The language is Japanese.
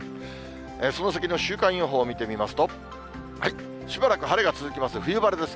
その先の週間予報を見てみますと、しばらく晴れが続きます、冬晴れです。